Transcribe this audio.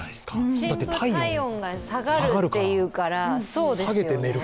深部体温が下がるというから、そうですよね。